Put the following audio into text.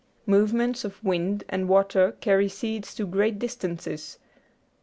Movements of wind and water carry seeds to great distances.